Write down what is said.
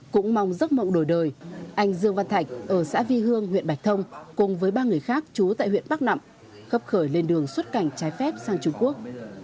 cũng mong giấc mộng đổi đời anh dương văn thạch ở xã vi hương huyện bạch thông cùng với ba người khác trú tại huyện bắc nẵm khấp khởi lên đường xuất cảnh trái phép sang trung quốc